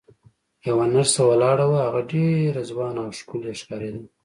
یوه نرسه ولاړه وه، هغه ډېره ځوانه او ښکلې ښکارېده.